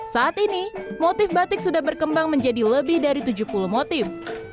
saat ini motif batik sudah berkembang menjadi lebih dari tujuh puluh motif